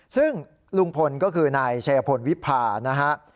ซึ่งลุงพลก็คือนายเฉพาะวิภานะครับ